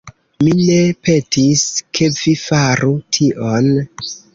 Mi ne petis, ke vi faru tion...